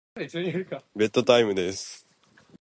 ベッドタイムです。